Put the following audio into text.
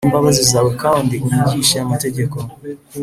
N imbabazi zawe kandi unyigishe amategeko